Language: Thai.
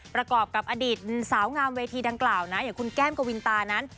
ประกอบกับอดีตสาวงามเวทีดังกล่าวนะอย่างคุณแก้มกวินตานั้น